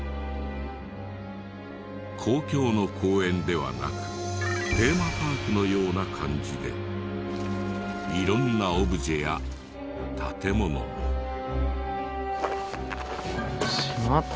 公共の公園ではなくテーマパークのような感じで色んなオブジェや建物が。